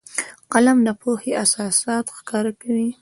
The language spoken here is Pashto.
قلم د پوهې اساسات ښکاره کوي